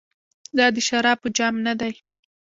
دا د شرابو جام ندی.